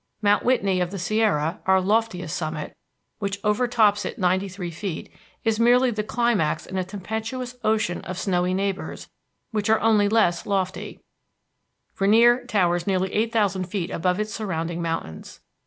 Mount Whitney of the Sierra, our loftiest summit, which overtops it ninety three feet, is merely the climax in a tempestuous ocean of snowy neighbors which are only less lofty; Rainier towers nearly eight thousand feet above its surrounding mountains.